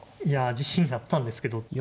いや自信あったんですけど。